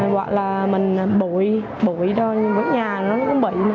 hoặc là mình bụi bụi vứt nhà nó cũng bị